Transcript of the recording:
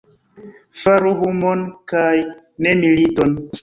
Faru humon kaj ne militon!